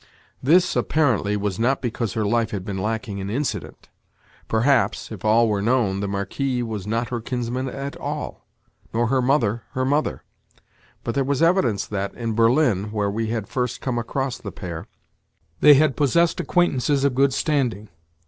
This, apparently, was not because her life had been lacking in incident. Perhaps, if all were known, the Marquis was not her kinsman at all, nor her mother, her mother; but there was evidence that, in Berlin, where we had first come across the pair, they had possessed acquaintances of good standing.